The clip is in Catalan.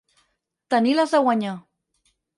Tenir les de guanyar.